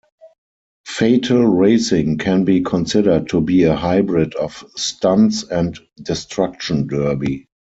"Fatal Racing" can be considered to be a hybrid of "Stunts" and "Destruction Derby".